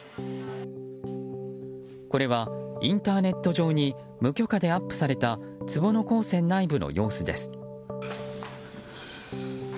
これは、インターネット上に無許可でアップされた坪野鉱泉内部の様子です。